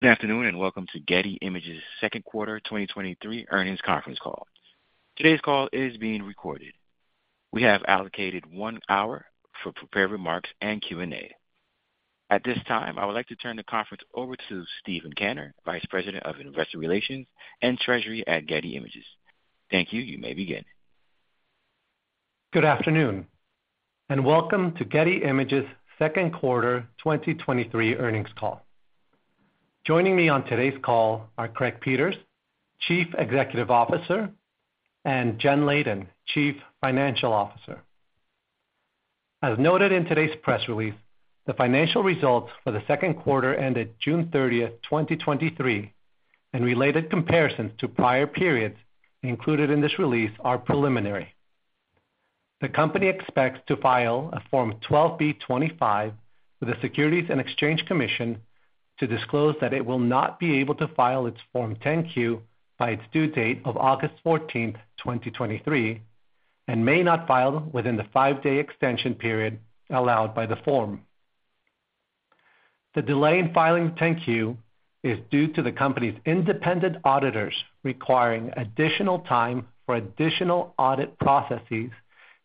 Good afternoon, and welcome to Getty Images' second quarter 2023 earnings conference call. Today's call is being recorded. We have allocated 1 hour for prepared remarks and Q&A. At this time, I would like to turn the conference over to Steven Kanner, Vice President of Investor Relations and Treasury at Getty Images. Thank you. You may begin. Good afternoon, welcome to Getty Images' second quarter 2023 earnings call. Joining me on today's call are Craig Peters, Chief Executive Officer, and Jen Leyden, Chief Financial Officer. As noted in today's press release, the financial results for the second quarter ended June 30th, 2023, and related comparisons to prior periods included in this release are preliminary. The company expects to file a Form 12b-25 with the Securities and Exchange Commission to disclose that it will not be able to file its Form 10-Q by its due date of August 14th, 2023, and may not file within the five-day extension period allowed by the form. The delay in filing the 10-Q is due to the company's independent auditors requiring additional time for additional audit processes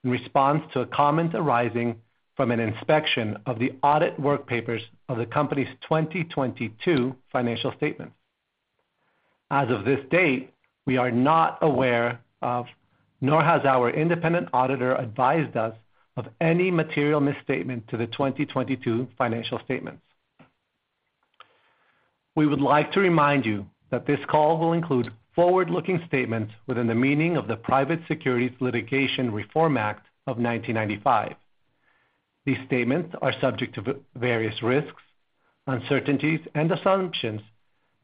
in response to a comment arising from an inspection of the audit work papers of the company's 2022 financial statements. As of this date, we are not aware of, nor has our independent auditor advised us of any material misstatement to the 2022 financial statements. We would like to remind you that this call will include forward-looking statements within the meaning of the Private Securities Litigation Reform Act of 1995. These statements are subject to various risks, uncertainties, and assumptions,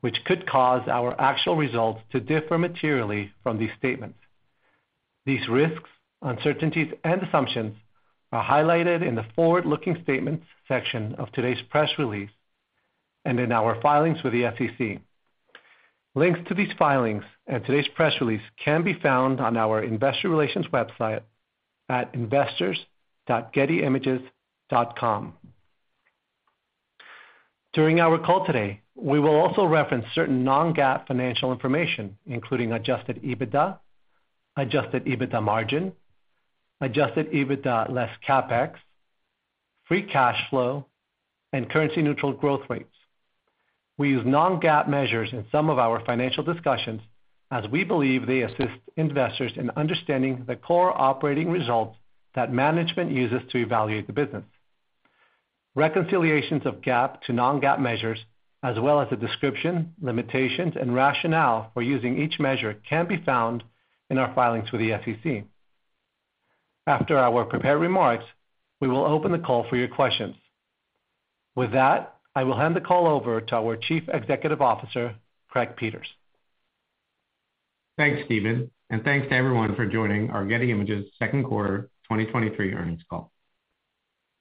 which could cause our actual results to differ materially from these statements. These risks, uncertainties, and assumptions are highlighted in the forward-looking statements section of today's press release and in our filings with the SEC. Links to these filings and today's press release can be found on our investor relations website at investors.gettyimages.com. During our call today, we will also reference certain non-GAAP financial information, including adjusted EBITDA, adjusted EBITDA margin, adjusted EBITDA less CapEx, free cash flow, and currency-neutral growth rates. We use non-GAAP measures in some of our financial discussions as we believe they assist investors in understanding the core operating results that management uses to evaluate the business. Reconciliations of GAAP to non-GAAP measures, as well as a description, limitations, and rationale for using each measure, can be found in our filings with the SEC. After our prepared remarks, we will open the call for your questions. With that, I will hand the call over to our Chief Executive Officer, Craig Peters. Thanks, Steven, thanks to everyone for joining our Getty Images second quarter 2023 earnings call.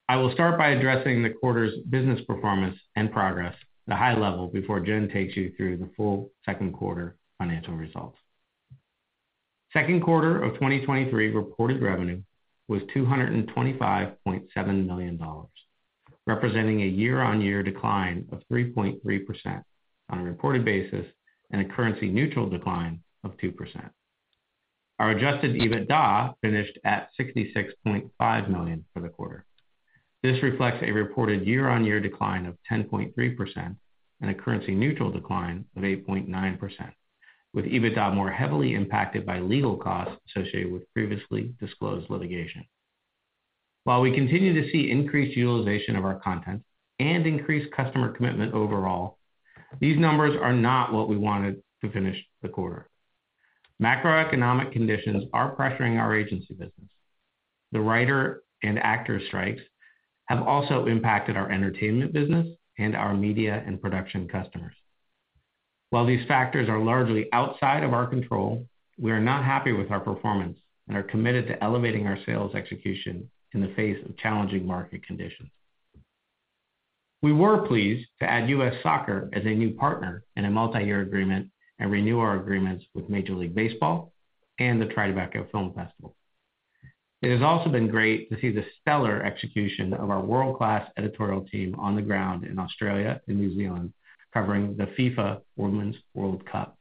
I will start by addressing the quarter's business performance and progress at a high level before Jen takes you through the full second quarter financial results. Second quarter of 2023 reported revenue was $225.7 million, representing a year-over-year decline of 3.3% on a reported basis and a currency-neutral decline of 2%. Our adjusted EBITDA finished at $66.5 million for the quarter. This reflects a reported year-over-year decline of 10.3% and a currency-neutral decline of 8.9%, with EBITDA more heavily impacted by legal costs associated with previously disclosed litigation. While we continue to see increased utilization of our content and increased customer commitment overall, these numbers are not what we wanted to finish the quarter. Macroeconomic conditions are pressuring our agency business. The writer and actor strikes have also impacted our entertainment business and our media and production customers. While these factors are largely outside of our control, we are not happy with our performance and are committed to elevating our sales execution in the face of challenging market conditions. We were pleased to add U.S. Soccer as a new partner in a multi-year agreement and renew our agreements with Major League Baseball and the Tribeca Festival. It has also been great to see the stellar execution of our world-class editorial team on the ground in Australia and New Zealand, covering the FIFA Women's World Cup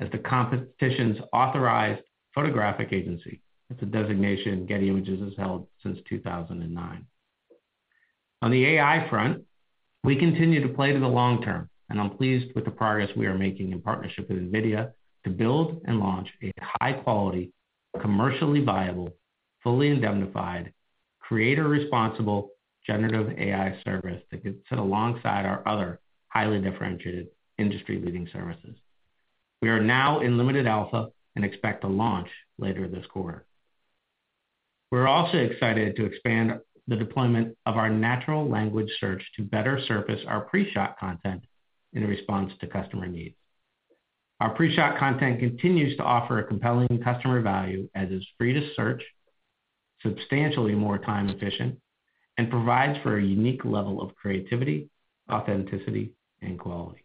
as the competition's authorized photographic agency. It's a designation Getty Images has held since 2009. On the AI front, we continue to play to the long term, and I'm pleased with the progress we are making in partnership with NVIDIA to build and launch a high-quality, commercially viable, fully indemnified, creator-responsible generative AI service that can sit alongside our other highly differentiated industry-leading services. We are now in limited alpha and expect to launch later this quarter. We're also excited to expand the deployment of our natural language search to better surface our pre-shot content in response to customer needs. Our pre-shot content continues to offer a compelling customer value, as is free to search, substantially more time efficient, and provides for a unique level of creativity, authenticity, and quality.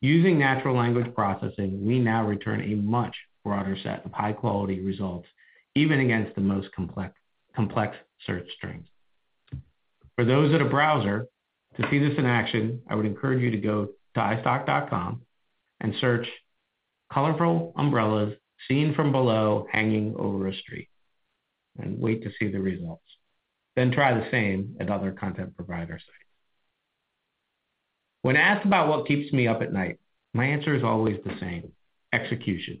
Using natural language processing, we now return a much broader set of high-quality results, even against the most complex, complex search strings.... For those that have browser, to see this in action, I would encourage you to go to istock.com and search colorful umbrellas seen from below hanging over a street, and wait to see the results. Try the same at other content provider sites. When asked about what keeps me up at night, my answer is always the same: execution.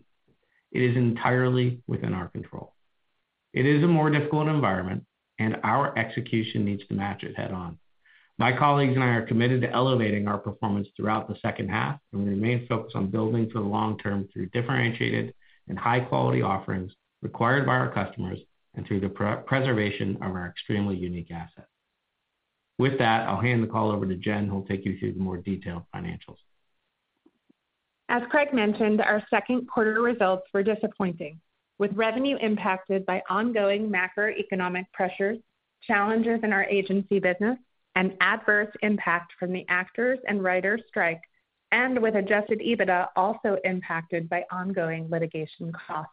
It is entirely within our control. It is a more difficult environment, and our execution needs to match it head-on. My colleagues and I are committed to elevating our performance throughout the second half, and we remain focused on building for the long term through differentiated and high-quality offerings required by our customers and through the preservation of our extremely unique assets. With that, I'll hand the call over to Jen, who will take you through the more detailed financials. As Craig mentioned, our second quarter results were disappointing, with revenue impacted by ongoing macroeconomic pressures, challenges in our agency business, and adverse impact from the actors and writers strike, and with adjusted EBITDA also impacted by ongoing litigation costs.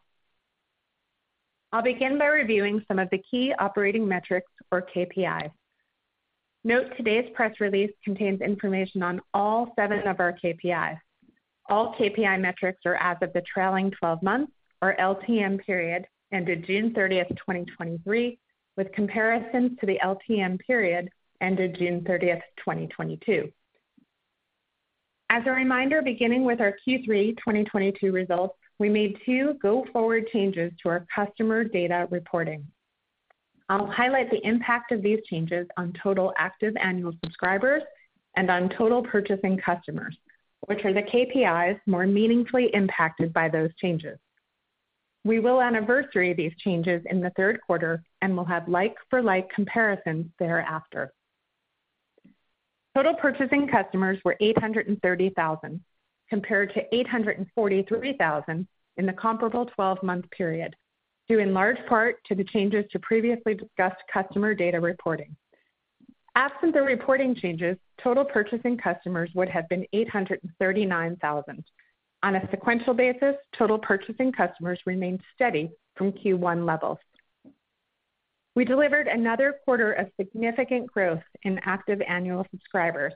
I'll begin by reviewing some of the key operating metrics or KPIs. Note, today's press release contains information on all seven of our KPIs. All KPI metrics are as of the trailing 12 months, or LTM period, ended June 30, 2023, with comparisons to the LTM period ended June 30, 2022. As a reminder, beginning with our Q3 2022 results, we made two go-forward changes to our customer data reporting. I'll highlight the impact of these changes on total active annual subscribers and on total purchasing customers, which are the KPIs more meaningfully impacted by those changes. We will anniversary these changes in the third quarter and will have like-for-like comparisons thereafter. Total purchasing customers were 830,000, compared to 843,000 in the comparable 12-month period, due in large part to the changes to previously discussed customer data reporting. Absent the reporting changes, total purchasing customers would have been 839,000. On a sequential basis, total purchasing customers remained steady from Q1 levels. We delivered another quarter of significant growth in active annual subscribers,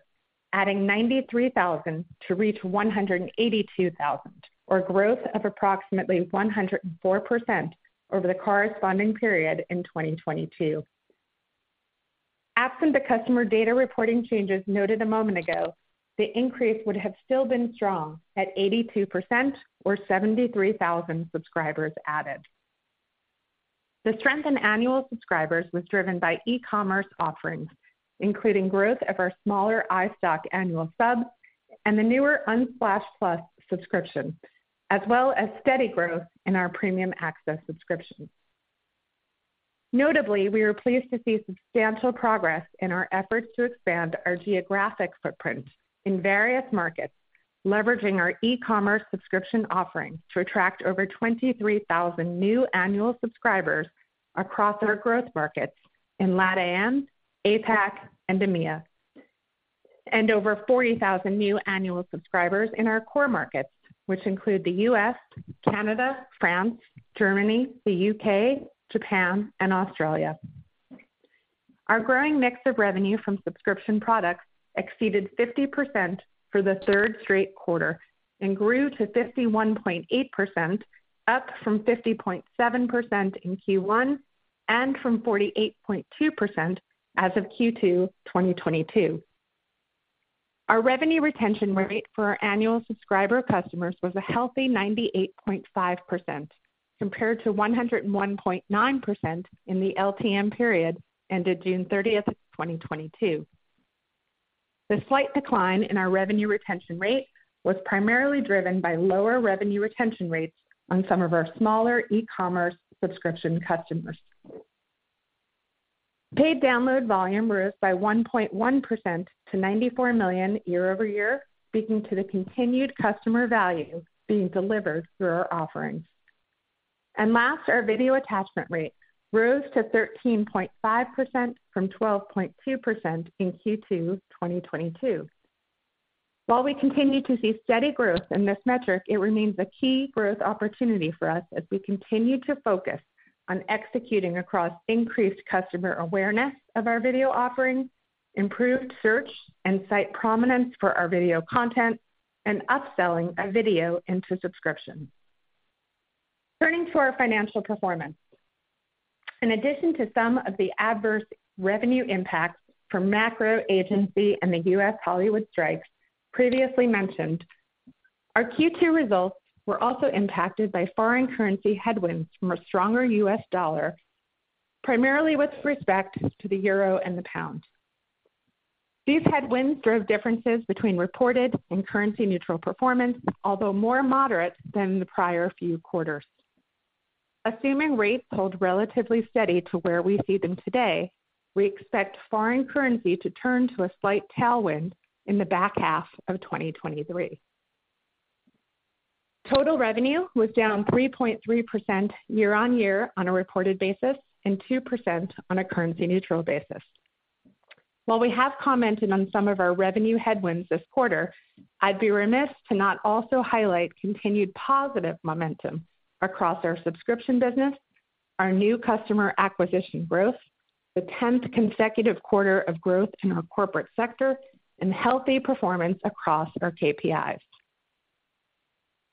adding 93,000 to reach 182,000, or growth of approximately 104% over the corresponding period in 2022. Absent the customer data reporting changes noted a moment ago, the increase would have still been strong at 82% or 73,000 subscribers added. The strength in annual subscribers was driven by e-commerce offerings, including growth of our smaller iStock annual sub and the newer Unsplash+ subscription, as well as steady growth in our Premium Access subscription. Notably, we were pleased to see substantial progress in our efforts to expand our geographic footprint in various markets, leveraging our e-commerce subscription offerings to attract over 23,000 new annual subscribers across our growth markets in LATAM, APAC, and EMEA, and over 40,000 new annual subscribers in our core markets, which include the U.S., Canada, France, Germany, the U.K., Japan, and Australia. Our growing mix of revenue from subscription products exceeded 50% for the third straight quarter and grew to 51.8%, up from 50.7% in Q1 and from 48.2% as of Q2 2022. Our revenue retention rate for our annual subscriber customers was a healthy 98.5%, compared to 101.9% in the LTM period, ended June 30th, 2022. The slight decline in our revenue retention rate was primarily driven by lower revenue retention rates on some of our smaller e-commerce subscription customers. Paid download volume rose by 1.1% to 94 million year-over-year, speaking to the continued customer value being delivered through our offerings. Last, our video attachment rate rose to 13.5% from 12.2% in Q2 2022. While we continue to see steady growth in this metric, it remains a key growth opportunity for us as we continue to focus on executing across increased customer awareness of our video offerings, improved search and site prominence for our video content, and upselling of video into subscription. Turning to our financial performance. In addition to some of the adverse revenue impacts from macro agency and the U.S. Hollywood strikes previously mentioned, our Q2 results were also impacted by foreign currency headwinds from a stronger U.S. dollar, primarily with respect to the euro and the pound. These headwinds drove differences between reported and currency-neutral performance, although more moderate than the prior few quarters. Assuming rates hold relatively steady to where we see them today, we expect foreign currency to turn to a slight tailwind in the back half of 2023. Total revenue was down 3.3% year-on-year on a reported basis, and 2% on a currency-neutral basis. While we have commented on some of our revenue headwinds this quarter, I'd be remiss to not also highlight continued positive momentum across our subscription business, our new customer acquisition growth, the 10th consecutive quarter of growth in our corporate sector, and healthy performance across our KPIs.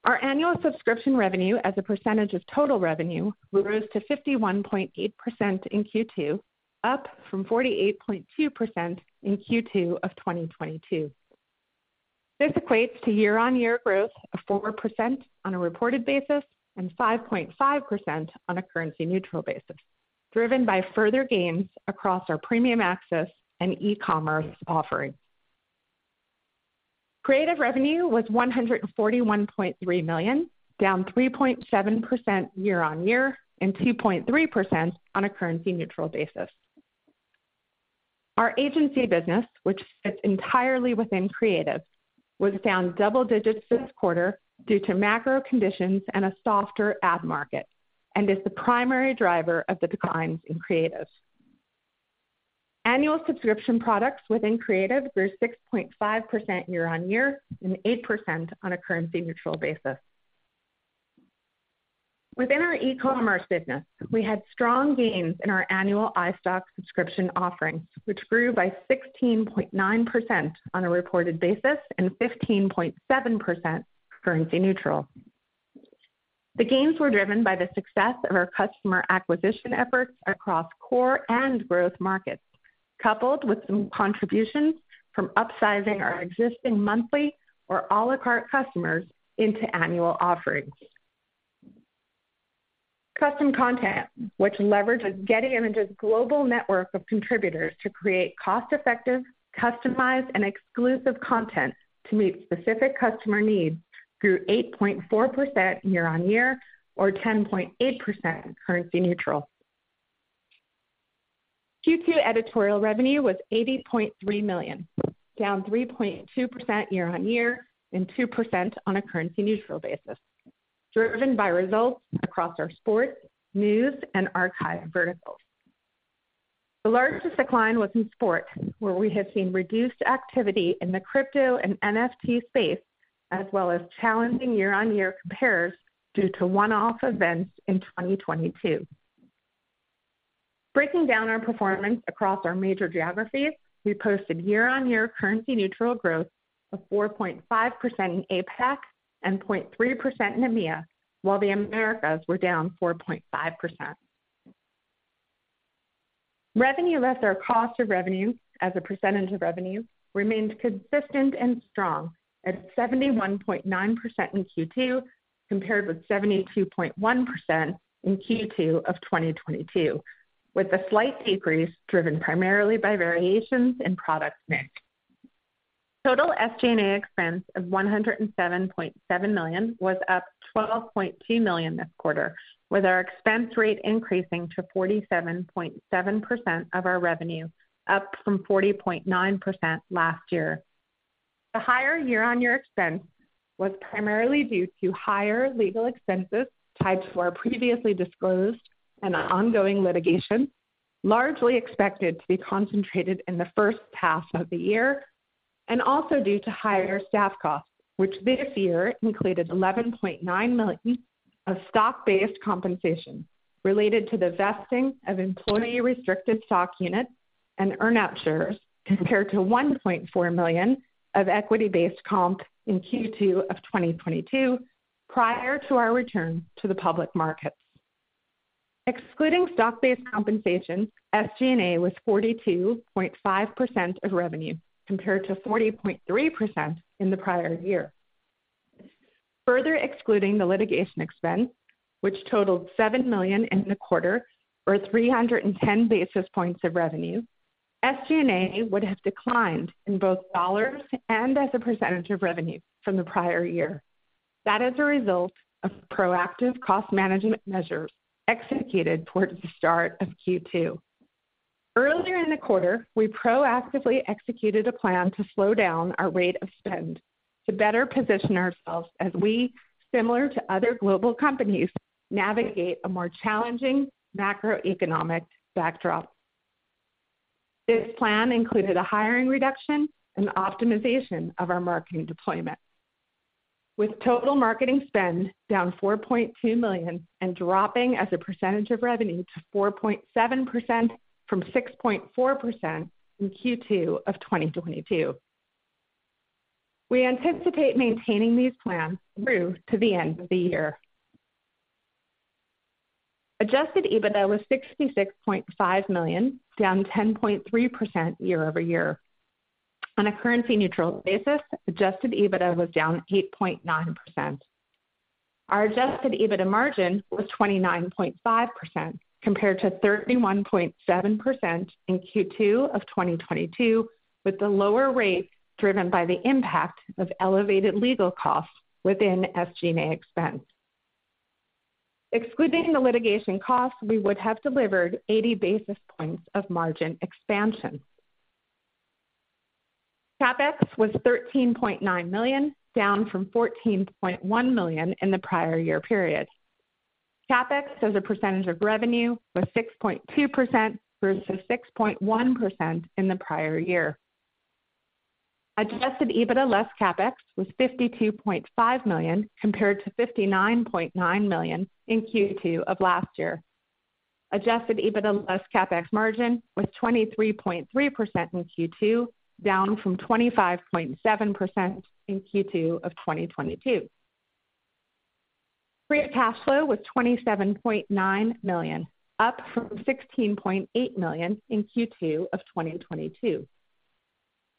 Our annual subscription revenue as a percentage of total revenue grew to 51.8% in Q2, up from 48.2% in Q2 of 2022. This equates to year-on-year growth of 4% on a reported basis and 5.5% on a currency-neutral basis, driven by further gains across our Premium Access and e-commerce offerings. Creative revenue was $141.3 million, down 3.7% year-on-year and 2.3% on a currency-neutral basis. Our agency business, which fits entirely within creative, was down double digits this quarter due to macro conditions and a softer ad market, and is the primary driver of the declines in creative. Annual subscription products within creative grew 6.5% year-on-year and 8% on a currency-neutral basis. Within our e-commerce business, we had strong gains in our annual iStock subscription offerings, which grew by 16.9% on a reported basis and 15.7% currency-neutral. The gains were driven by the success of our customer acquisition efforts across core and growth markets, coupled with some contributions from upsizing our existing monthly or à la carte customers into annual offerings. Custom Content, which leverages Getty Images' global network of contributors to create cost-effective, customized, and exclusive content to meet specific customer needs, grew 8.4% year-on-year or 10.8% currency-neutral. Q2 editorial revenue was $80.3 million, down 3.2% year-on-year and 2% on a currency-neutral basis, driven by results across our sport, news, and archive verticals. The largest decline was in sport, where we have seen reduced activity in the crypto and NFT space, as well as challenging year-on-year compares due to one-off events in 2022. Breaking down our performance across our major geographies, we posted year-on-year currency-neutral growth of 4.5% in APAC and 0.3% in EMEA, while the Americas were down 4.5%. Revenue less our cost of revenue as a percentage of revenue remained consistent and strong at 71.9% in Q2, compared with 72.1% in Q2 of 2022, with a slight decrease driven primarily by variations in product mix. Total SG&A expense of $107.7 million was up $12.2 million this quarter, with our expense rate increasing to 47.7% of our revenue, up from 40.9% last year. The higher year-over-year expense was primarily due to higher legal expenses tied to our previously disclosed and ongoing litigation, largely expected to be concentrated in the first half of the year, and also due to higher staff costs, which this year included $11.9 million of stock-based compensation related to the vesting of employee restricted stock units and earn-out shares, compared to $1.4 million of equity-based comp in Q2 of 2022, prior to our return to the public markets. Excluding stock-based compensation, SG&A was 42.5% of revenue, compared to 40.3% in the prior year. Further excluding the litigation expense, which totaled $7 million in the quarter, or 310 basis points of revenue, SG&A would have declined in both dollars and as a percentage of revenue from the prior year. That is a result of proactive cost management measures executed towards the start of Q2. Earlier in the quarter, we proactively executed a plan to slow down our rate of spend to better position ourselves as we, similar to other global companies, navigate a more challenging macroeconomic backdrop. This plan included a hiring reduction and optimization of our marketing deployment, with total marketing spend down $4.2 million and dropping as a percentage of revenue to 4.7% from 6.4% in Q2 of 2022. We anticipate maintaining these plans through to the end of the year. Adjusted EBITDA was $66.5 million, down 10.3% year-over-year. On a currency-neutral basis, adjusted EBITDA was down 8.9%. Our adjusted EBITDA margin was 29.5%, compared to 31.7% in Q2 of 2022, with the lower rate driven by the impact of elevated legal costs within SG&A expense. Excluding the litigation costs, we would have delivered 80 basis points of margin expansion. CapEx was $13.9 million, down from $14.1 million in the prior year period. CapEx as a percentage of revenue was 6.2% versus 6.1% in the prior year. Adjusted EBITDA less CapEx was $52.5 million, compared to $59.9 million in Q2 of last year. Adjusted EBITDA less CapEx margin was 23.3% in Q2, down from 25.7% in Q2 of 2022. Free cash flow was $27.9 million, up from $16.8 million in Q2 of 2022.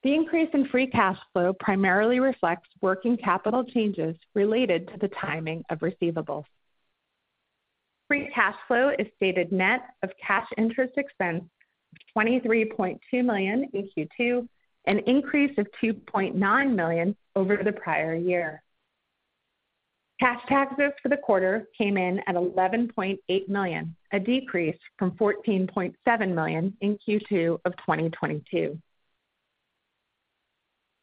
The increase in free cash flow primarily reflects working capital changes related to the timing of receivables. Free cash flow is stated net of cash interest expense, $23.2 million in Q2, an increase of $2.9 million over the prior year. Cash taxes for the quarter came in at $11.8 million, a decrease from $14.7 million in Q2 of 2022.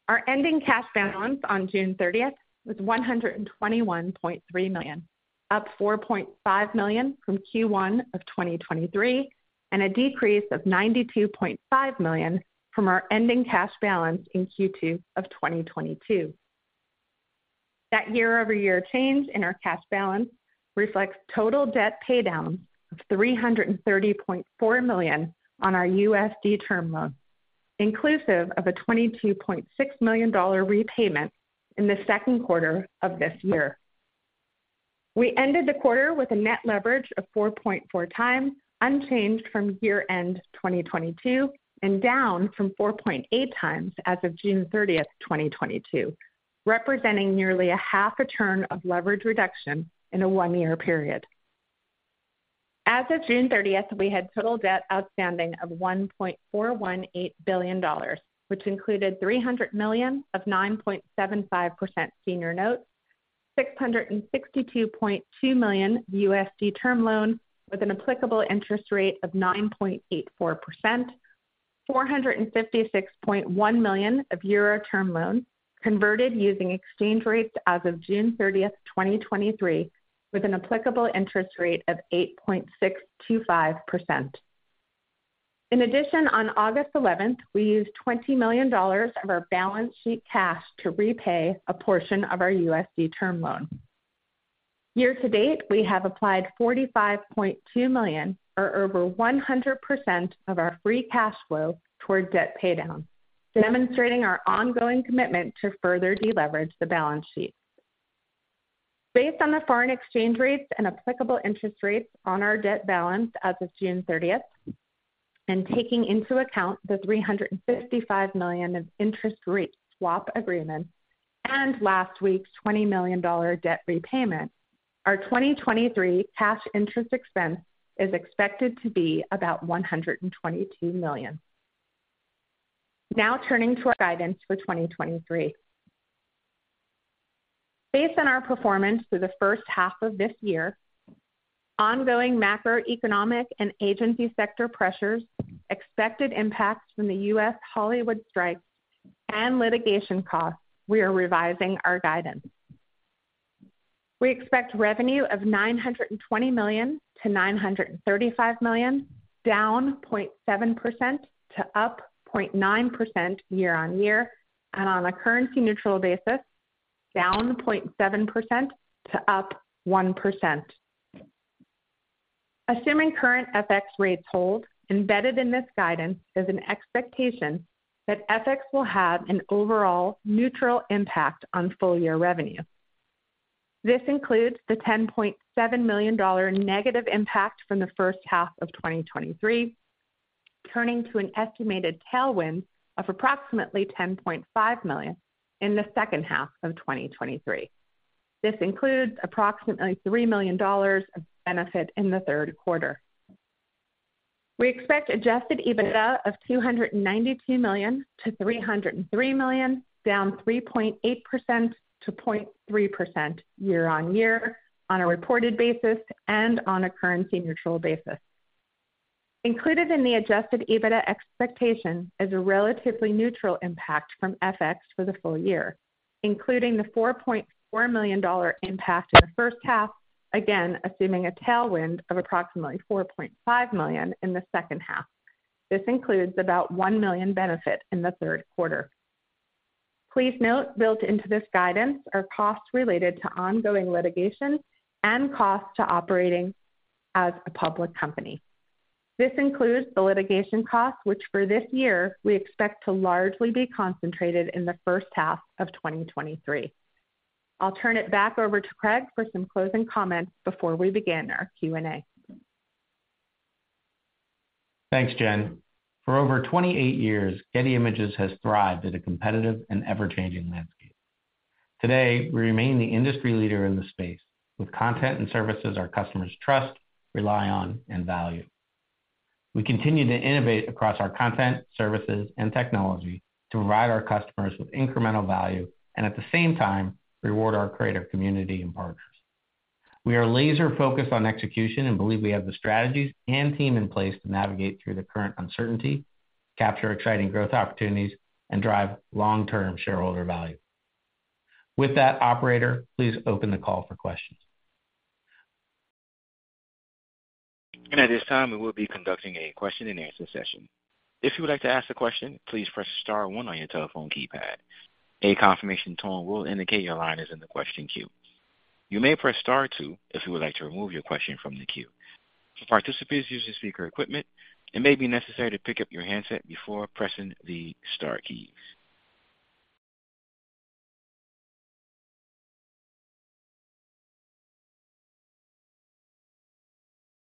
Our ending cash balance on June thirtieth was $121.3 million, up $4.5 million from Q1 of 2023, and a decrease of $92.5 million from our ending cash balance in Q2 of 2022. That year-over-year change in our cash balance reflects total debt paydown of $330.4 million on our USD term loan, inclusive of a $22.6 million repayment in the second quarter of this year. We ended the quarter with a net leverage of 4.4x, unchanged from year-end 2022, and down from 4.8x as of June 30th, 2022, representing nearly a half a turn of leverage reduction in a 1-year period. As of June 30th, we had total debt outstanding of $1.418 billion, which included $300 million of 9.75% senior notes, $662.2 million USD term loan, with an applicable interest rate of 9.84%, 456.1 million of euro term loans converted using exchange rates as of June 30th, 2023, with an applicable interest rate of 8.625%. On August 11th, we used $20 million of our balance sheet cash to repay a portion of our USD term loan. Year to date, we have applied $45.2 million, or over 100% of our free cash flow, toward debt paydown, demonstrating our ongoing commitment to further deleverage the balance sheet. Based on the foreign exchange rates and applicable interest rates on our debt balance as of June 30th, and taking into account the $355 million of interest rate swap agreements and last week's $20 million debt repayment, our 2023 cash interest expense is expected to be about $122 million. Now turning to our guidance for 2023. Based on our performance through the first half of this year, ongoing macroeconomic and agency sector pressures, expected impacts from the U.S. Hollywood strikes, and litigation costs, we are revising our guidance. We expect revenue of $920 million-$935 million, down 0.7% to up 0.9% year-on-year, and on a currency-neutral basis, down 0.7% to up 1%. Assuming current FX rates hold, embedded in this guidance is an expectation that FX will have an overall neutral impact on full year revenue. This includes the $10.7 million negative impact from the first half of 2023, turning to an estimated tailwind of approximately $10.5 million in the second half of 2023. This includes approximately $3 million of benefit in the third quarter. We expect adjusted EBITDA of $292 million-$303 million, down 3.8%-0.3% year-over-year on a reported basis and on a currency-neutral basis. Included in the adjusted EBITDA expectation is a relatively neutral impact from FX for the full year, including the $4.4 million impact in the first half, again, assuming a tailwind of approximately $4.5 million in the second half. This includes about $1 million benefit in the third quarter. Please note, built into this guidance are costs related to ongoing litigation and costs to operating as a public company. This includes the litigation costs, which for this year, we expect to largely be concentrated in the first half of 2023. I'll turn it back over to Craig for some closing comments before we begin our Q&A. Thanks, Jen. For over 28 years, Getty Images has thrived in a competitive and ever-changing landscape. Today, we remain the industry leader in the space, with content and services our customers trust, rely on, and value. We continue to innovate across our content, services, and technology to provide our customers with incremental value and at the same time, reward our creative community and partners. We are laser-focused on execution and believe we have the strategies and team in place to navigate through the current uncertainty, capture exciting growth opportunities, and drive long-term shareholder value. With that, operator, please open the call for questions. At this time, we will be conducting a question-and-answer session. If you would like to ask a question, please press star one on your telephone keypad. A confirmation tone will indicate your line is in the question queue. You may press star two if you would like to remove your question from the queue. For participants using speaker equipment, it may be necessary to pick up your handset before pressing the star keys.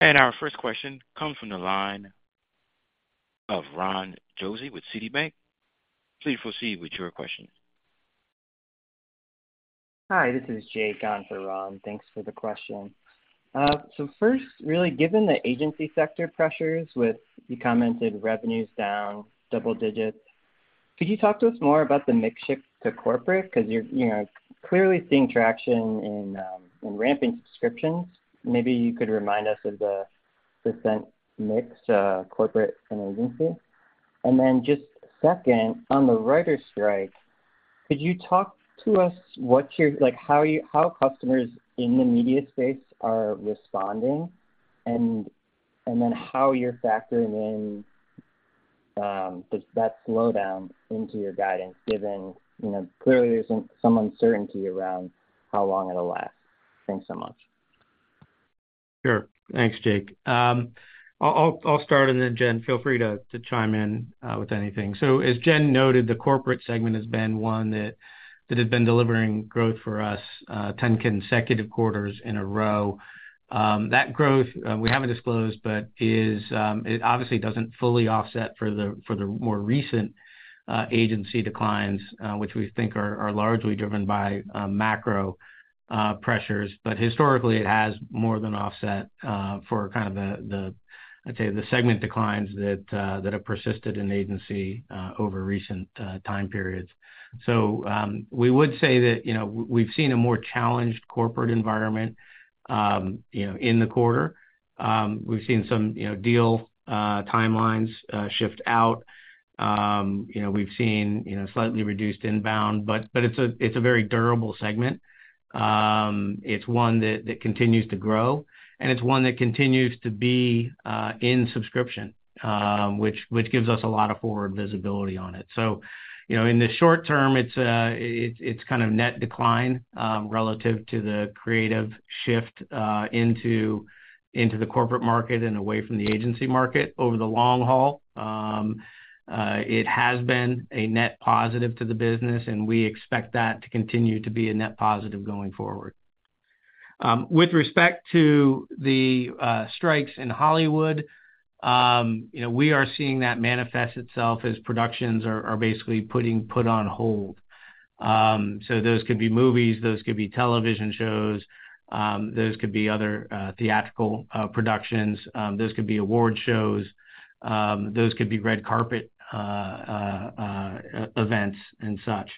Our first question comes from the line of Ron Josey with Citibank. Please proceed with your question. Hi, this is Jake on for Ron. Thanks for the question. First, really, given the agency sector pressures with you commented revenues down double-digits, could you talk to us more about the mix shift to corporate? Because you're, you know, clearly seeing traction in ramping subscriptions. Maybe you could remind us of the % mix, corporate and agency. Then just second, on the writer strike, could you talk to us like, how you, how customers in the media space are responding, and then how you're factoring in that slowdown into your guidance, given, you know, clearly there's some uncertainty around how long it'll last. Thanks so much. Sure. Thanks, Jake. I'll, I'll start, and then, Jen, feel freeto chime in with anything. As Jen noted, the corporate segment has been one that, that had been delivering growth for us, 10 consecutive quarters in a row. That growth, we haven't disclosed, but is, it obviously doesn't fully offset for the for the more recent agency declines, which we think are largely driven by macro pressures. Historically, it has more than offset for kind of the, the, I'd say, the segment declines that have persisted in agency over recent time periods. We would say that, you know, we've seen a more challenged corporate environment, you know, in the quarter. We've seen some, you know, deal timelines shift out. You know, we've seen, you know, slightly reduced inbound, but, but it's a, it's a very durable segment. It's one that, that continues to grow, and it's one that continues to be in subscription, which, which gives us a lot of forward visibility on it. You know, in the short term, it's kind of net decline, relative to the creative shift, into, into the corporate market and away from the agency market. Over the long haul, it has been a net positive to the business, and we expect that to continue to be a net positive going forward. With respect to the strikes in Hollywood, you know, we are seeing that manifest itself as productions are, are basically putting put on hold. Those could be movies, those could be television shows, those could be other theatrical productions, those could be award shows, those could be red carpet events and such.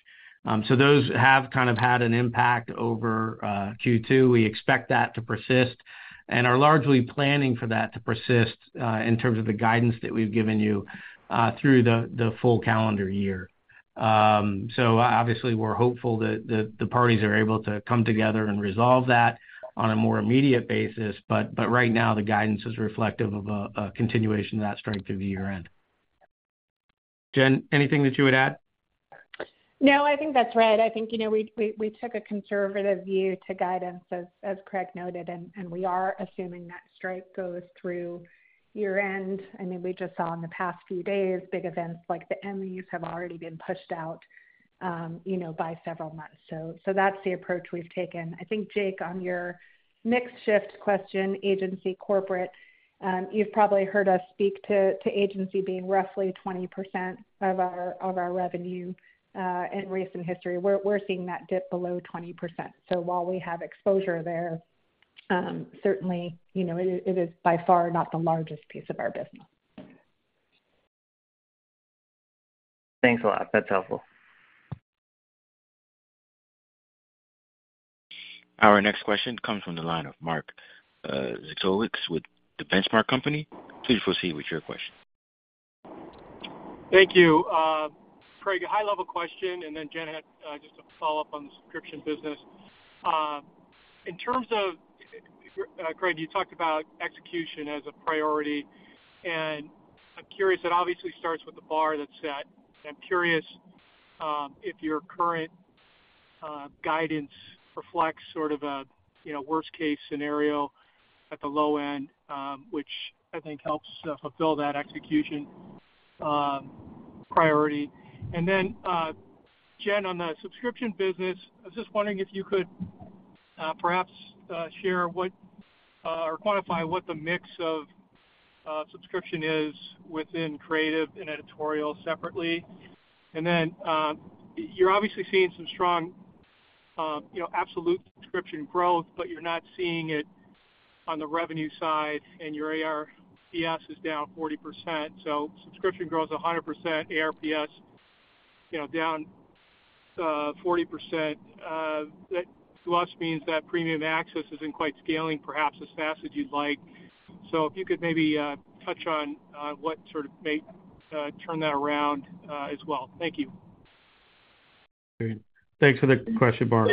Those have kind of had an impact over Q2. We expect that to persist and are largely planning for that to persist in terms of the guidance that we've given you through the full calendar year. Obviously, we're hopeful that the parties are able to come together and resolve that on a more immediate basis, but, but right now, the guidance is reflective of a continuation of that strength through the year-end. Jen, anything that you would add? No, I think that's right. I think, you know, we, we, we took a conservative view to guidance, as, as Craig noted, we are assuming that strike goes through year-end. I mean, we just saw in the past few days, big events like the Emmys have already been pushed out, you know, by several months. That's the approach we've taken. I think, Jake, on your mix shift question, agency, corporate, you've probably heard us speakto agency being roughly 20% of our, of our revenue in recent history. We're, we're seeing that dip below 20%. While we have exposure there, certainly, you know, it is by far not the largest piece of our business. Thanks a lot. That's helpful. Our next question comes from the line of Mark Zgutowicz with The Benchmark Company. Please proceed with your question. Thank you. Then, Craig, a high-level question, and Jen had just a follow-up on the subscription business. In terms of, Craig, you talked about execution as a priority, and I'm curious, it obviously starts with the bar that's set. I'm curious, if your current guidance reflects sort of a, you know, worst-case scenario at the low end, which I think helps fulfill that execution priority. Then, Jen, on the subscription business, I was just wondering if you could perhaps share what or quantify what the mix of subscription is within creative and editorial separately. Then, you're obviously seeing some strong, you know, absolute subscription growth, but you're not seeing it on the revenue side, and your ARPS is down 40%. Subscription growth is 100%, ARPS is-... you know, down, 40%, that to us means that Premium Access isn't quite scaling, perhaps as fast as you'd like. If you could maybe, touch on, what sort of may, turn that around, as well. Thank you. Great. Thanks for the question, Mark.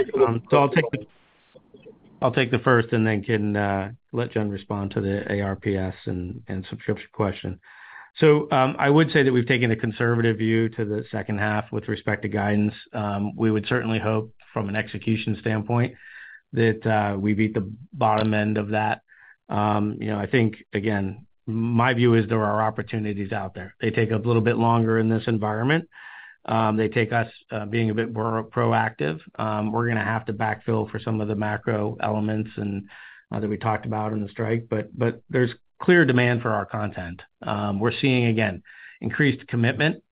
I'll take the first and then can, let Jen respond to the ARPS and subscription question. I would say that we've taken a conservative view to the second half with respect to guidance. You know, I think, again, my view is there are opportunities out there. They take a little bit longer in this environment. They take us, being a bit more proactive. We're gonna have to backfill for some of the macro elements and, that we talked about on the strike, but, but there's clear demand for our content. We're seeing, again, increased commitment,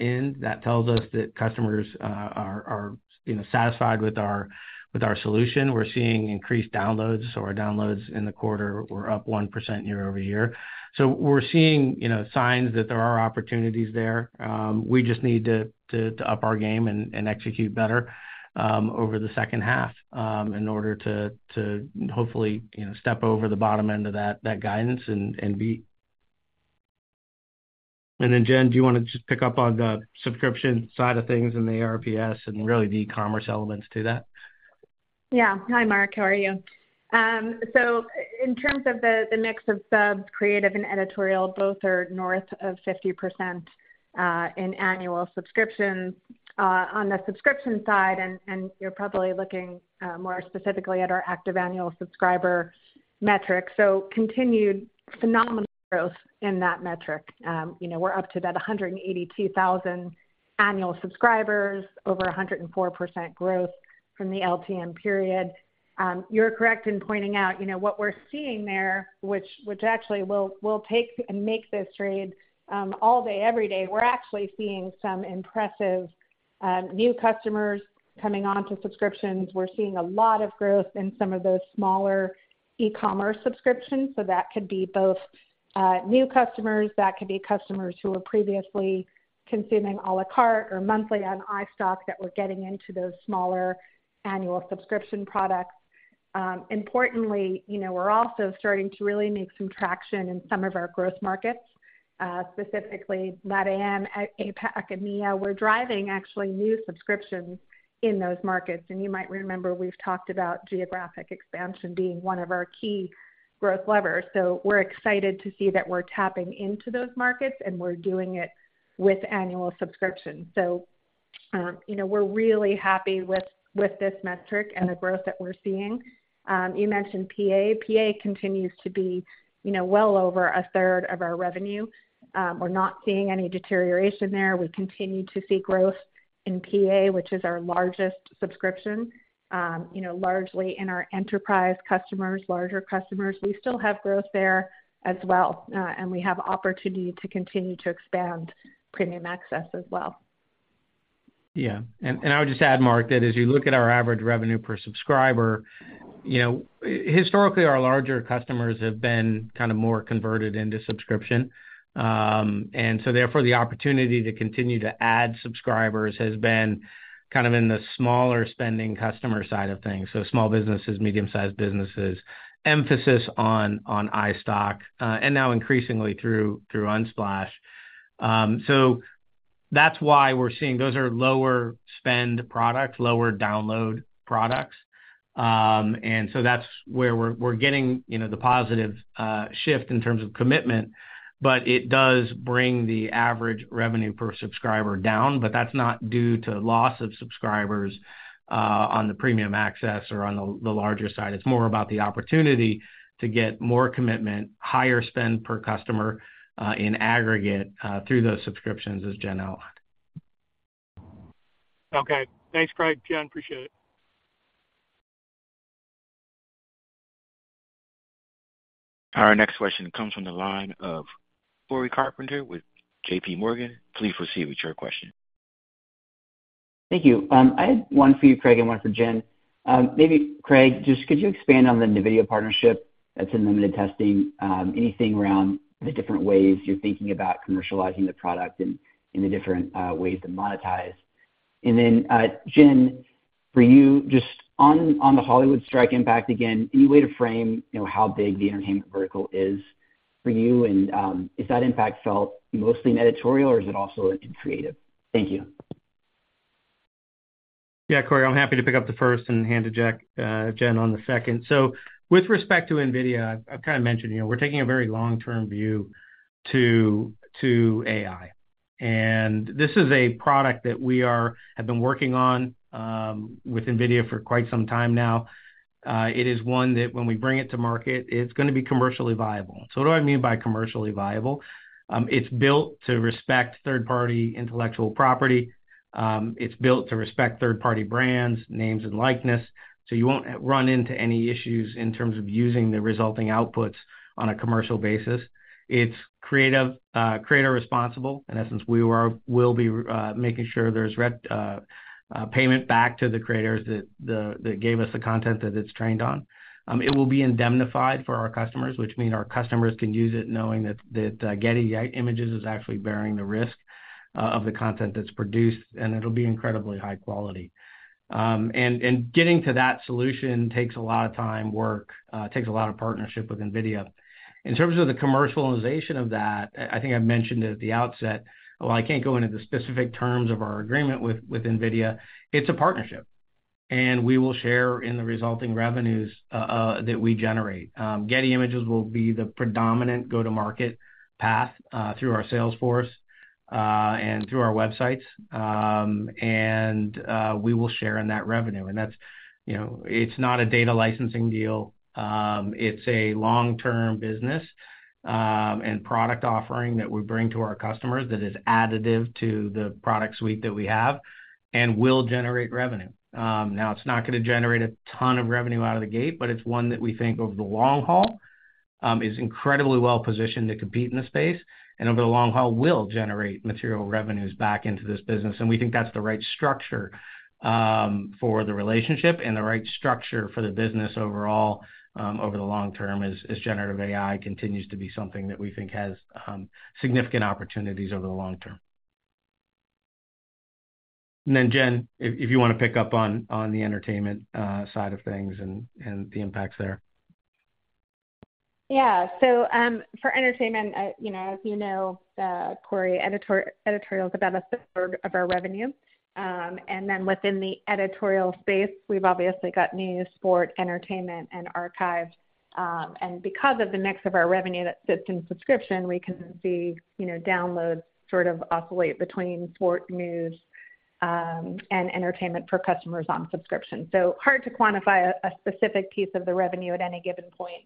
in. That tells us that customers are, are, you know, satisfied with our, with our solution. We're seeing increased downloads, our downloads in the quarter were up 1% year-over-year. We're seeing, you know, signs that there are opportunities there. We just needto up our game and execute better over the second half in orderto hopefully, you know, step over the bottom end of that, that guidance and beat. Jen, do you wanna just pick up on the subscription side of things and the ARPS and really the e-commerce elements to that? Yeah. Hi, Mark, how are you? In terms of the, the mix of subs, creative and editorial, both are north of 50% in annual subscriptions. On the subscription side, and you're probably looking more specifically at our active annual subscriber metrics, so continued phenomenal growth in that metric. You know, we're up to about 182,000 annual subscribers, over 104% growth from the LTM period. You're correct in pointing out, you know, what we're seeing there, which, which actually will, will take and make this trade all day, every day. We're actually seeing some impressive new customers coming on to subscriptions. We're seeing a lot of growth in some of those smaller e-commerce subscriptions, so that could be both new customers, that could be customers who were previously consuming à la carte or monthly on iStock, that we're getting into those smaller annual subscription products. Importantly, you know, we're also starting to really make some traction in some of our growth markets, specifically LatAm, APAC and EMEA. We're driving actually new subscriptions in those markets. You might remember, we've talked about geographic expansion being one of our key growth levers. We're excited to see that we're tapping into those markets, and we're doing it with annual subscriptions. You know, we're really happy with, with this metric and the growth that we're seeing. You mentioned PA. PA continues to be, you know, well over a third of our revenue. We're not seeing any deterioration there. We continue to see growth in PA, which is our largest subscription, you know, largely in our enterprise customers, larger customers. We still have growth there as well, and we have opportunity to continue to expand Premium Access as well. Yeah. I would just add, Mark, that as you look at our average revenue per subscriber, you know, historically, our larger customers have been kind of more converted into subscription. Therefore, the opportunity to continue to add subscribers has been kind of in the smaller spending customer side of things, so small businesses, medium-sized businesses, emphasis on iStock, and now increasingly through Unsplash. That's why we're seeing. Those are lower spend products, lower download products. That's where we're, we're getting, you know, the positive shift in terms of commitment. It does bring the average revenue per subscriber down, but that's not due to loss of subscribers, on the Premium Access or on the, the larger side. It's more about the opportunity to get more commitment, higher spend per customer, in aggregate, through those subscriptions, as Jen outlined. Okay. Thanks, Craig. Jen, appreciate it. Our next question comes from the line of Cory Carpenter with JPMorgan. Please proceed with your question. Thank you. I had one for you, Craig, and one for Jen. Maybe Craig, just could you expand on the NVIDIA partnership that's in limited testing, anything around the different ways you're thinking about commercializing the product and any different ways to monetize? Jen, for you, just on, on the Hollywood strike impact, again, any way to frame, you know, how big the entertainment vertical is for you? Is that impact felt mostly in editorial or is it also in creative? Thank you. Yeah, Cory, I'm happy to pick up the first and hand to Jen on the second. With respect to NVIDIA, I've kind of mentioned, you know, we're taking a very long-term view to AI. This is a product that we have been working on with NVIDIA for quite some time now. It is one that when we bring it to market, it's gonna be commercially viable. What do I mean by commercially viable? It's built to respect third-party intellectual property. It's built to respect third-party brands, names and likeness, so you won't run into any issues in terms of using the resulting outputs on a commercial basis. It's creative, creator responsible. In essence, we'll be making sure there's payment back to the creators that gave us the content that it's trained on. It will be indemnified for our customers, which mean our customers can use it knowing that Getty Images is actually bearing the risk of the content that's produced, and it'll be incredibly high quality. And getting to that solution takes a lot of time, work, takes a lot of partnership with NVIDIA. In terms of the commercialization of that, I think I mentioned it at the outset, while I can't go into the specific terms of our agreement with NVIDIA, it's a partnership.... and we will share in the resulting revenues that we generate. Getty Images will be the predominant go-to-market path through our sales force and through our websites. We will share in that revenue, and that's, you know, it's not a data licensing deal. It's a long-term business and product offering that we bring to our customers that is additive to the product suite that we have and will generate revenue. Now, it's not gonna generate a ton of revenue out of the gate, but it's one that we think, over the long haul, is incredibly well positioned to compete in the space and, over the long haul, will generate material revenues back into this business. We think that's the right structure for the relationship and the right structure for the business overall over the long term, as, as generative AI continues to be something that we think has significant opportunities over the long term. Jen, if, if you wanna pick up on, on the entertainment side of things and the impacts there. Yeah. For entertainment, you know, as you know, Cory, editorial is about one-third of our revenue. Then within the editorial space, we've obviously got News, Sport, Entertainment, and Archives. Because of the mix of our revenue that sits in subscription, we can see, you know, downloads sort of oscillate between Sport, News, and Entertainment for customers on subscription. Hard to quantify a specific piece of the revenue at any given point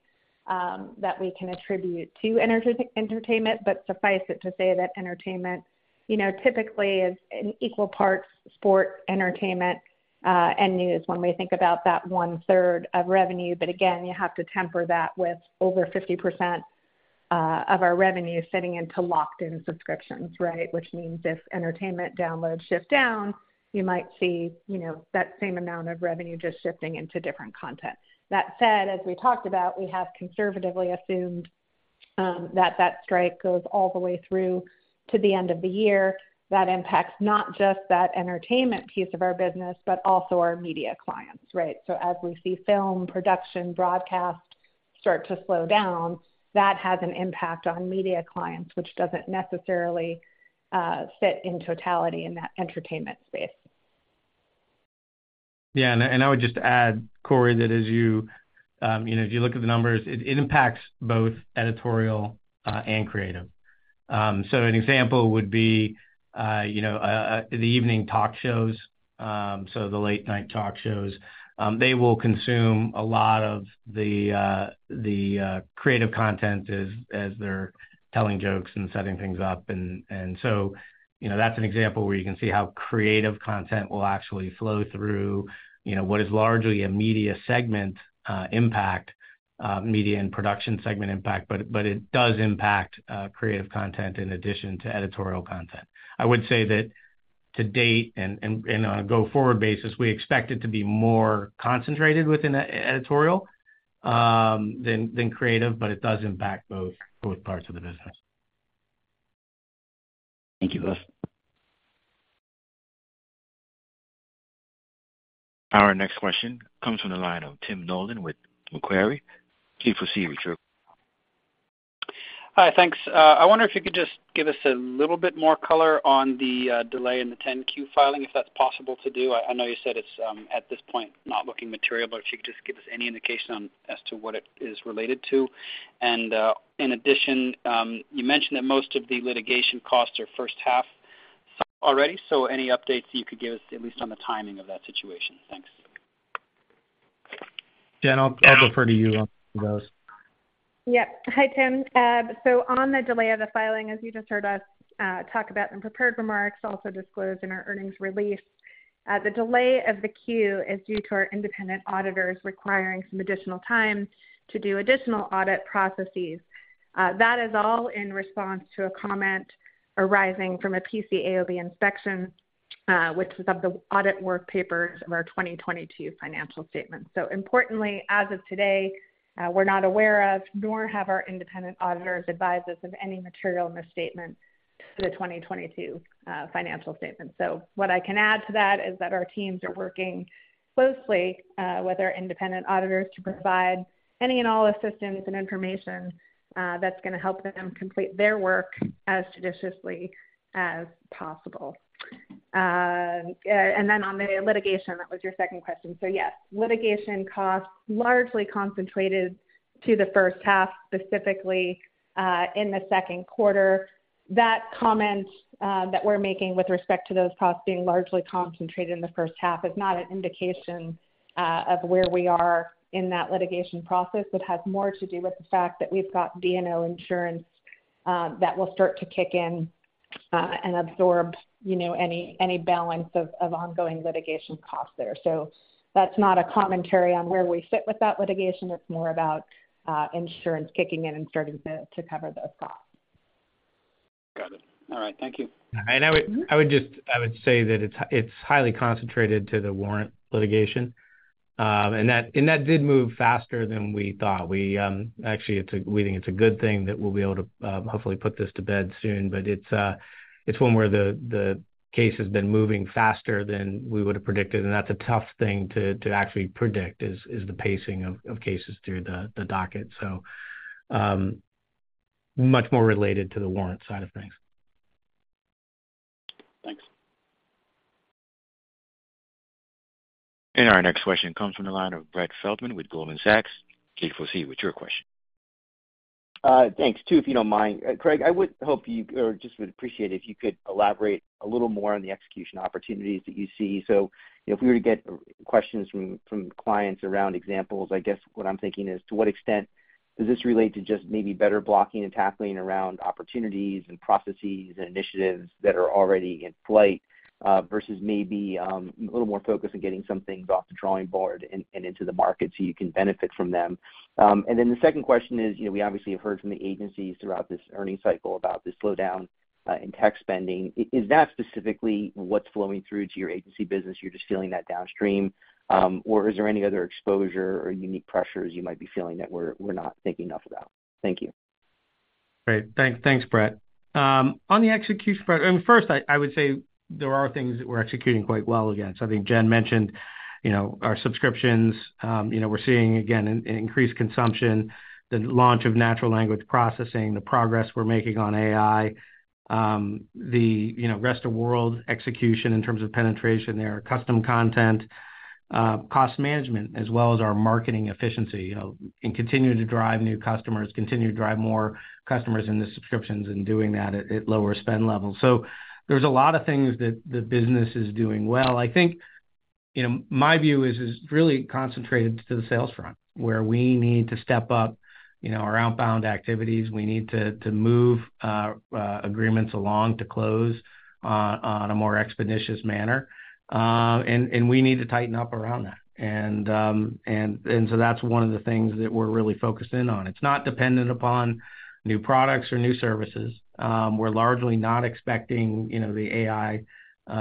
that we can attribute to entertainment, but suffice it to say that entertainment, you know, typically is in equal parts, Sport, Entertainment, and News when we think about that one-third of revenue. Again, you have to temper that with over 50% of our revenue fitting into locked-in subscriptions, right? Means if entertainment downloads shift down, you might see, you know, that same amount of revenue just shifting into different content. That said, as we talked about, we have conservatively assumed that that strike goes all the way through to the end of the year. That impacts not just that entertainment piece of our business, but also our media clients, right? As we see film production, broadcast start to slow down, that has an impact on media clients, which doesn't necessarily fit in totality in that entertainment space. Yeah, I would just add, Cory, that as you, you know, if you look at the numbers, it, it impacts both editorial and creative. An example would be, you know, the evening talk shows, so the late-night talk shows. They will consume a lot of the creative content as, as they're telling jokes and setting things up. You know, that's an example where you can see how creative content will actually flow through, you know, what is largely a media segment impact, media and production segment impact, but, but it does impact creative content in addition to editorial content. I would say that to date, and on a go-forward basis, we expect it to be more concentrated within editorial than creative, but it does impact both parts of the business. Thank you both. Our next question comes from the line of Tim Nollen with Macquarie. Please proceed with your question. Hi, thanks. I wonder if you could just give us a little bit more color on the delay in the Form 10-Q filing, if that's possible to do. I, I know you said it's at this point, not looking material, but if you could just give us any indication on as to what it is related to. In addition, you mentioned that most of the litigation costs are first half already, so any updates you could give us, at least on the timing of that situation? Thanks. Jen, I'll, I'll refer to you on those. Yeah. Hi, Tim. On the delay of the filing, as you just heard us talk about in prepared remarks, also disclosed in our earnings release, the delay of the Q is due to our independent auditors requiring some additional time to do additional audit processes. That is all in response to a comment arising from a PCAOB inspection, which was of the audit work papers of our 2022 financial statements. Importantly, as of today, we're not aware of, nor have our independent auditors advised us of any material misstatements to the 2022 financial statements. What I can add to that is that our teams are working closely with our independent auditors to provide any and all assistance and information that's gonna help them complete their work as judiciously as possible. And then on the litigation, that was your second question. So yes, litigation costs largely concentrated to the first half, specifically, in the second quarter. That comment that we're making with respect to those costs being largely concentrated in the first half is not an indication of where we are in that litigation process. It has more to do with the fact that we've got D&O insurance that will start to kick in and absorb, you know, any, any balance of, of ongoing litigation costs there. So that's not a commentary on where we sit with that litigation. It's more about insurance kicking in and startingto cover those costs. Got it. All right, thank you. I would say that it's, it's highly concentrated to the warrant litigation, and that, and that did move faster than we thought. We, actually, we think it's a good thing that we'll be able to, hopefully put this to bed soon. It's, it's one where the, the case has been moving faster than we would have predicted, and that's a tough thingto actually predict, is, is the pacing of, of cases through the, the docket. Much more related to the warrant side of things. Thanks. Our next question comes from the line of Brett Feldman with Goldman Sachs. Please proceed with your question. Thanks. Two, if you don't mind. Craig, I would hope you, or just would appreciate it if you could elaborate a little more on the execution opportunities that you see. If we were to get questions from, from clients around examples, I guess what I'm thinking is, to what extent does this relate to just maybe better blocking and tackling around opportunities and processes and initiatives that are already in flight, versus maybe a little more focused on getting some things off the drawing board and into the market so you can benefit from them? Then the second question is, you know, we obviously have heard from the agencies throughout this earnings cycle about the slowdown, in tech spending. Is that specifically what's flowing through to your agency business, you're just feeling that downstream, or is there any other exposure or unique pressures you might be feeling that we're, we're not thinking enough about? Thank you. Great. Thanks. Thanks, Brett. On the execution front. First, I, I would say there are things that we're executing quite well against. I think Jen mentioned, you know, our subscriptions. You know, we're seeing, again, increased consumption, the launch of natural language processing, the progress we're making on AI, the, you know, rest of world execution in terms of penetration there, Custom Content, cost management, as well as our marketing efficiency, you know, and continuing to drive new customers, continue to drive more customers in the subscriptions, and doing that at, at lower spend levels. There's a lot of things that the business is doing well. I think, you know, my view is, is really concentrated to the sales front, where we need to step up, you know, our outbound activities. We needto move agreements along to close on a more expeditious manner. We need to tighten up around that. So that's one of the things that we're really focused in on. It's not dependent upon new products or new services. We're largely not expecting, you know, the AI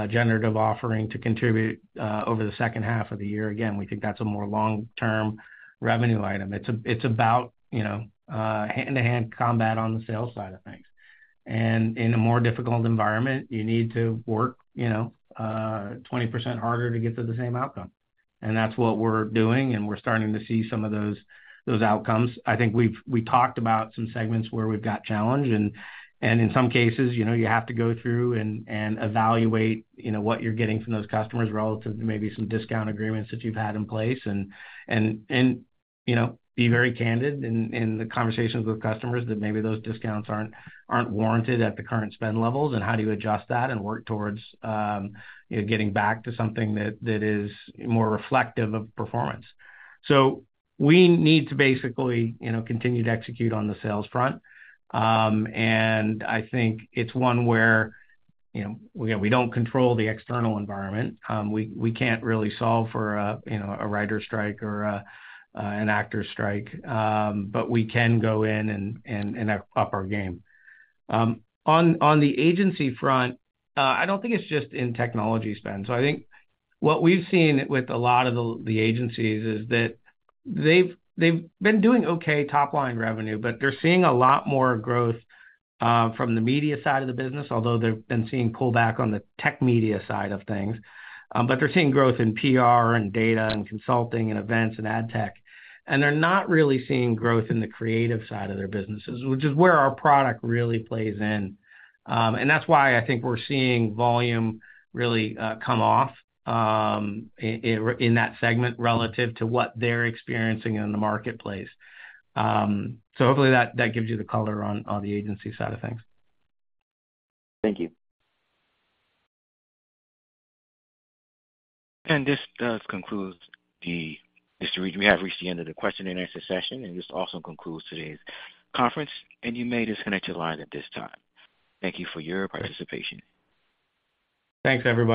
generative offering to contribute over the second half of the year. Again, we think that's a more long-term revenue item. It's, it's about, you know, hand-to-hand combat on the sales side of things. In a more difficult environment, you need to work, you know, 20% harder to get to the same outcome. That's what we're doing, and we're starting to see some of those, those outcomes. I think we've... We talked about some segments where we've got challenge, in some cases, you know, you have to go through and evaluate, you know, what you're getting from those customers relative to maybe some discount agreements that you've had in place. You know, be very candid in the conversations with customers that maybe those discounts aren't, aren't warranted at the current spend levels, and how do you adjust that and work towards, you know, getting back to something that, that is more reflective of performance. We need to basically, you know, continue to execute on the sales front. I think it's one where, you know, we don't control the external environment. We, we can't really solve for a, you know, a writer strike or an actor strike, but we can go in and up our game. On, on the agency front, I don't think it's just in technology spend. I think what we've seen with a lot of the, the agencies is that they've, they've been doing okay, top-line revenue, but they're seeing a lot more growth from the media side of the business, although they've been seeing pullback on the tech media side of things. They're seeing growth in PR and data and consulting and events and ad tech, and they're not really seeing growth in the creative side of their businesses, which is where our product really plays in. That's why I think we're seeing volume really come off in that segment relative to what they're experiencing in the marketplace. Hopefully that gives you the color on the agency side of things. Thank you. We have reached the end of the question and answer session, and this also concludes today's conference, and you may disconnect your line at this time. Thank you for your participation. Thanks, everybody.